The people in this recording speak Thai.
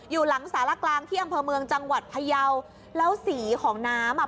อยู่หลังสารกลางที่อำเภอเมืองจังหวัดพยาวแล้วสีของน้ำอ่ะ